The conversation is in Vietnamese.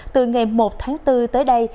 từ ngày một tháng bốn tới đây